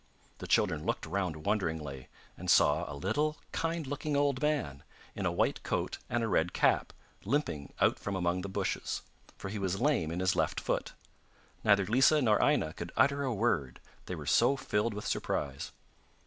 The children looked round wonderingly, and saw a little kind looking old man, in a white coat and a red cap, limping out from among the bushes, for he was lame in his left foot; neither Lisa nor Aina could utter a word, they were so filled with surprise.